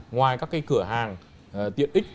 ngoài các cái cửa hàng tiện ích